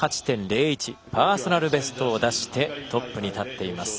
パーソナルベストを出してトップに立っています。